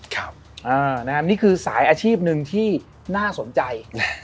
นี่คือสายอาชีพหนึ่งที่น่าสนใจ